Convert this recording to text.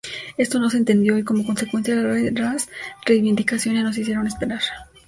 Esto no se entendió, y, como consecuencia, las reivindicaciones no se hicieron esperar.